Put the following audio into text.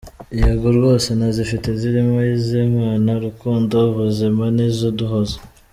Yego rwose, ndazifite zirimo izImana, urukundo, ubuzima nizuduhozo.